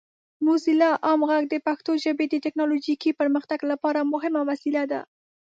موزیلا عام غږ د پښتو ژبې د ټیکنالوجیکي پرمختګ لپاره مهمه وسیله ده.